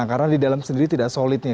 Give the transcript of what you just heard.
karena di dalam sendiri tidak solid nih